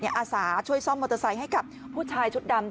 อาสาช่วยซ่อมมอเตอร์ไซค์ให้กับผู้ชายชุดดำ